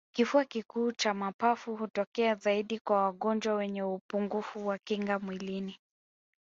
kifua kikuu cha mapafu hutokea zaidi kwa wagonjwa wenye upungufu wa kinga mwilini